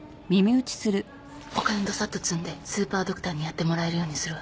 お金どさっと積んでスーパードクターにやってもらえるようにするわ。